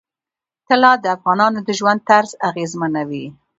طلا د افغانانو د ژوند طرز اغېزمنوي.